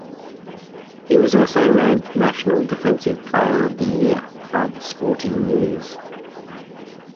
He was also named National Defensive Player of the Year by "The Sporting News".